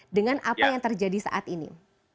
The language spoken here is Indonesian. dengan apa yang terjadi saat ini